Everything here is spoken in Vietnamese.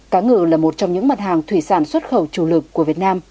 cá ngừ là một trong những mặt hàng thủy sản xuất khẩu chủ lực của việt nam